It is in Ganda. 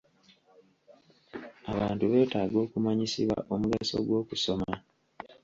Abantu beetaaga okumanyisibwa omugaso gw'okusoma.